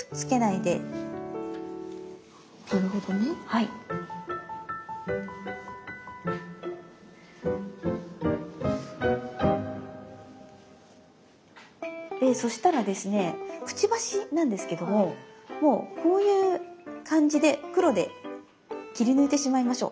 でそしたらですねくちばしなんですけどももうこういう感じで黒で切り抜いてしまいましょう。